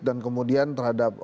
dan kemudian terhadap